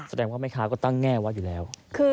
แสดงว่าแม่ค้าก็ตั้งแง่ไว้อยู่แล้ว